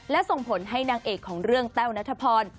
และส่งผลให้นางเอกของเรื่องแต้วนัทพร